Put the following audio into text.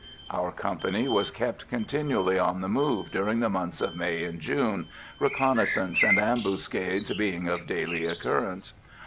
Our company was kept continually on the move during the months of May and June, reconnaissances and ambuscades being of daily occurrence.